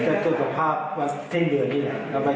รถเขาจะแตรกสภาพสิ้นเดือนอย่างนี้แหละ